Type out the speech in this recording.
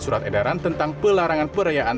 surat edaran tentang pelarangan perayaan